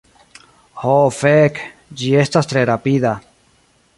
Ho fek, ĝi estas tre rapida.